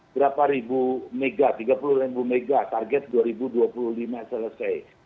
berapa ribu mega tiga puluh ribu mega target dua ribu dua puluh lima selesai